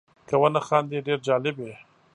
که ونه خاندې ډېر جالب یې .